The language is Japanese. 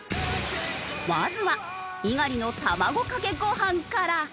まずは猪狩の卵かけご飯から。